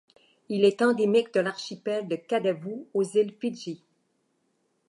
Il est endémique de l'archipel de Kadavu aux îles Fidji.